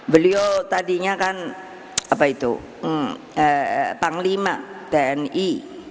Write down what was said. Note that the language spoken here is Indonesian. beliau tadinya kan apa itu panglima tni